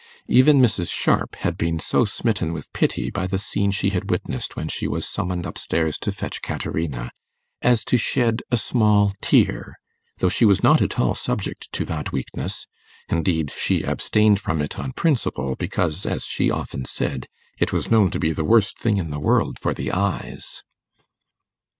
Even Mrs. Sharp had been so smitten with pity by the scene she had witnessed when she was summoned up stairs to fetch Caterina, as to shed a small tear, though she was not at all subject to that weakness; indeed, she abstained from it on principle, because, as she often said, it was known to be the worst thing in the world for the eyes.